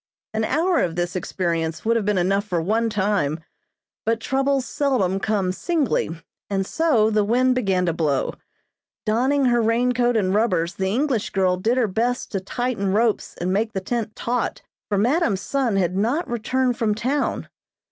An hour of this experience would have been enough for one time, but troubles seldom come singly, and so the wind began to blow. Donning her rain coat and rubbers the English girl did her best to tighten ropes and make the tent taut, for madam's son had not returned from town.